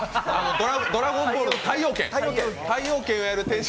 「ドラゴンボール」の太陽拳。